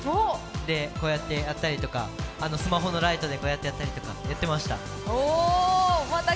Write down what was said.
で、こうやってやったりとか、スマホのライトでこうやったりやってました。